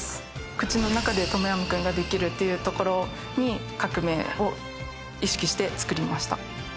口の中でトムヤムクンが出来るっていうところに革命を意識して作りました